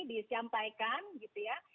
disampaikan gitu ya